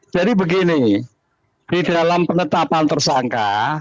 jadi begini di dalam penetapan tersangka